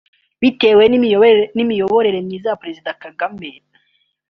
Bitewe n’imiyoborere myiza ya Perezida Kagame